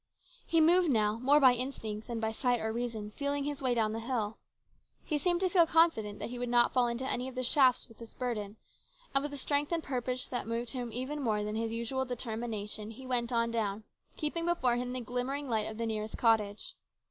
He moved now more by instinct than by sight or reason, feeling his way down the hill. He seemed to feel confident that he would not fall into any of the shafts with this burden ; and with a strength and purpose that moved him with even more than his usual determination he went on down, keeping before him the glimmering light of the nearest cottage.